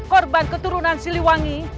korban keturunan siliwangi